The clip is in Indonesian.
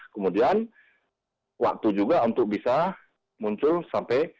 kemudian waktu juga untuk bisa muncul sampai